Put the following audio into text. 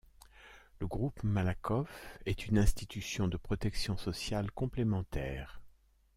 Le Groupe Malakoff est une institution de protection sociale complémentaire.